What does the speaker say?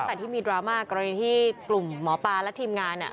ตั้งแต่ที่มีดราม่ากรณีที่กลุ่มหมอปลาและทีมงานเนี่ย